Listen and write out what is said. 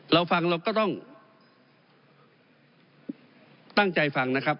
เราฟังเราก็ต้องตั้งใจฟังนะครับ